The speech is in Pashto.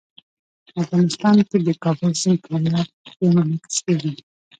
افغانستان کې د کابل سیند په هنر کې منعکس کېږي.